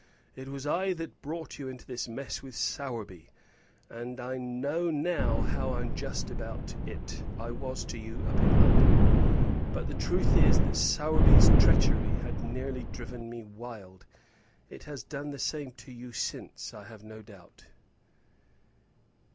It was I that brought you into this mess with Sowerby, and I know now how unjust about it I was to you up in London. But the truth is that Sowerby's treachery had nearly driven me wild. It has done the same to you since, I have no doubt."